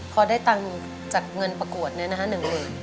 พอได้ตังค์จากเงินประกวดเนี่ยนะฮะ๑๐๐๐๐บาท